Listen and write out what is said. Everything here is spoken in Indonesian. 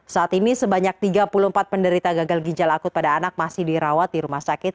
saat ini sebanyak tiga puluh empat penderita gagal ginjal akut pada anak masih dirawat di rumah sakit